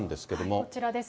こちらです。